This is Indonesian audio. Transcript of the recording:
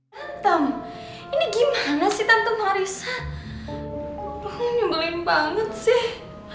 tentang ini gimana sih tante marissa nyebelin banget sih